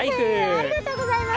ありがとうございます。